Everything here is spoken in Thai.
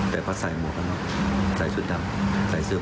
ได้พูดมาถึงแล้วคือ